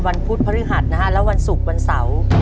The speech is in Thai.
วันพุธวันพฤหัสและวันศุกร์วันเสา